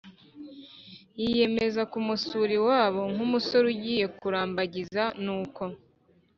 yiyemeza kumusura iwabo nk’umusore ugiye kurambagiza. Nuko